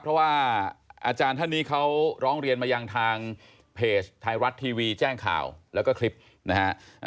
เพราะว่าอาจารย์ท่านนี้เขาร้องเรียนมายังทางเพจไทยรัฐทีวีแจ้งข่าวแล้วก็คลิปนะฮะ